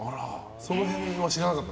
その辺の一面、知らなかった？